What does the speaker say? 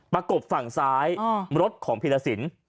ประกบฝั่งซ้ายรถของผีลสิน